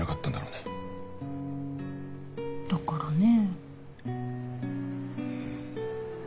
だからね。